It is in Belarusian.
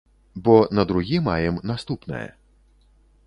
Бо на другі маем наступнае.